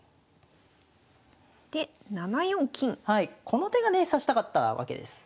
この手がね指したかったわけです。